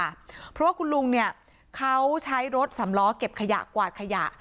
เพราะว่าคุณลุงเนี่ยเขาใช้รถสำล้อเก็บขยะกวาดขยะ